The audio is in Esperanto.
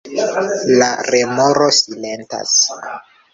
La remoro silentas.